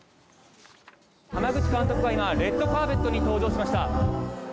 濱口監督が今、レッドカーペットに登場しました。